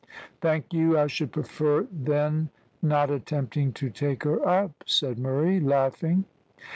"Thank you, I should prefer then not attempting to take her up," said Murray, laughing.